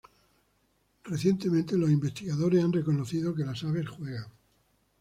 Recientemente, los investigadores han reconocido que las aves juegan.